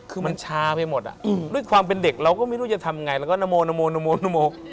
อ่ามันช้าไปหมดอ่ะด้วยความเป็นเด็กเราก็ไม่รู้จะทำยังไงเราก็นโมนนโมนนโมนนโมน